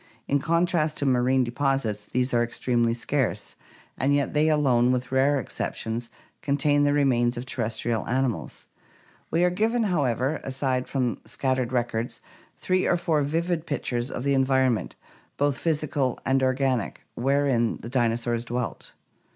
In contrast to marine deposits these are extremely scarce, and yet they alone, with rare exceptions, contain the remains of terrestrial animals. We are given, however, aside from scattered records, three or four vivid pictures of the environ ment, both physical and organic, wherein the dinosaurs dwelt.